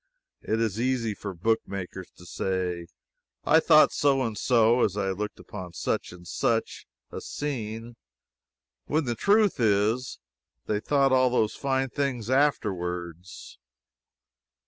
It is easy for book makers to say "I thought so and so as I looked upon such and such a scene" when the truth is, they thought all those fine things afterwards.